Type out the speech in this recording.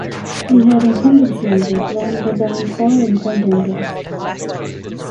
He held incumbencies at Llanbadarn Fawr and Prendergast.